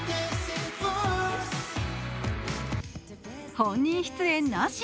本人出演なし。